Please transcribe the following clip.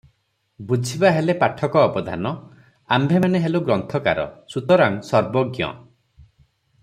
ବୁଝିବା ହେଲେ ପାଠକ ଅବଧାନ! ଆମ୍ଭେମାନେ ହେଲୁ ଗ୍ରନ୍ଥକାର, ସୁତରାଂ ସର୍ବଜ୍ଞ ।